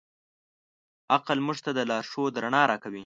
عقل موږ ته د لارښود رڼا راکوي.